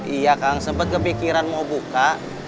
iya kang sempat kepikiran mau buka